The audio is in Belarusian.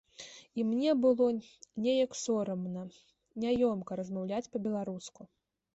І мне было неяк сорамна, няёмка размаўляць па-беларуску.